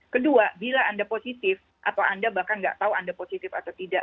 kedua bila anda positif atau anda bahkan nggak tahu anda positif atau tidak